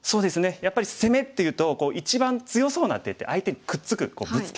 やっぱり攻めっていうと一番強そうな手って相手にくっつくぶつける手じゃないですか。